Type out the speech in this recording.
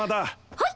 はい！